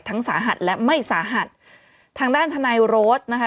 สาหัสและไม่สาหัสทางด้านทนายโรดนะคะ